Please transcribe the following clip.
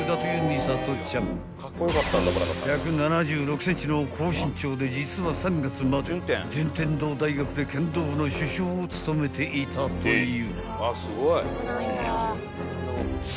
［１７６ｃｍの高身長で実は３月まで順天堂大学で剣道部の主将を務めていたという］